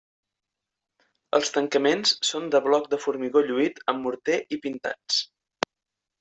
Els tancaments són de bloc de formigó lluït amb morter i pintats.